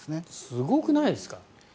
すごくないですか？